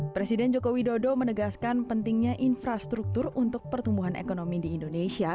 presiden joko widodo menegaskan pentingnya infrastruktur untuk pertumbuhan ekonomi di indonesia